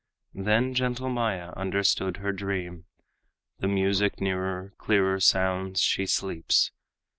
Then gentle Maya understood her dream. The music nearer, clearer sounds; she sleeps.